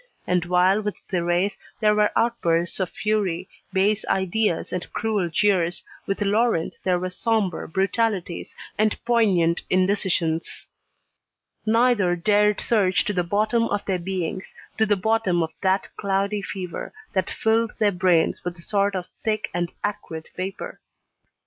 And while with Thérèse, there were outbursts of fury, base ideas, and cruel jeers, with Laurent there were sombre brutalities, and poignant indecisions. Neither dared search to the bottom of their beings, to the bottom of that cloudy fever that filled their brains with a sort of thick and acrid vapour.